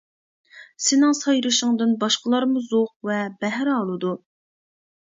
سېنىڭ سايرىشىڭدىن باشقىلارمۇ زوق ۋە بەھرە ئالىدۇ.